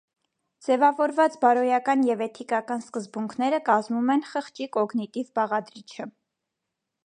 Ձևավորված բարոյական և էթիկական սկզբունքները կազմում են խղճի կոգնիտիվ բաղադրիչը։